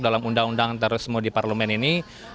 dalam undang undang terorisme di parlemen ini